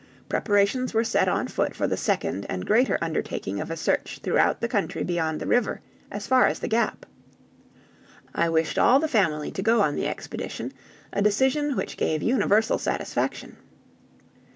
Preparations were set on foot for the second and greater undertaking of a search throughout the country beyond the river, as far as the Gap. I wished all the family to go on the expedition, a decision which gave universal satisfaction.